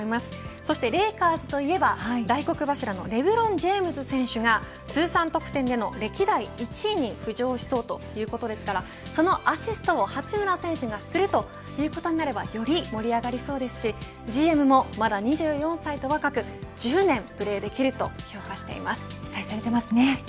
そしてレイカーズといえば大黒柱のレブロン・ジェームズ選手が通算得点での歴代１位に浮上しそうということですからそのアシストを八村選手がするということになればより盛り上がりそうですしＧＭも、まだ２４歳と若くじゅうぶんプレーできると期待されています。